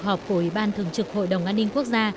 vào cuộc họp của ủy ban thường trực hội đồng an ninh quốc gia